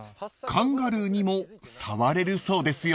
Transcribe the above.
［カンガルーにも触れるそうですよ］